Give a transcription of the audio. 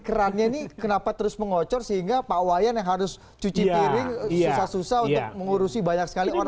kerannya ini kenapa terus mengocor sehingga pak wayan yang harus cuci piring susah susah untuk mengurusi banyak sekali orang